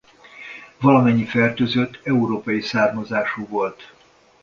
Valamennyi fertőzött európai származású volt.